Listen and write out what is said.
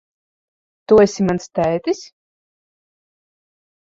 Tu esi mans tētis?